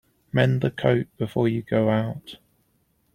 Mend the coat before you go out.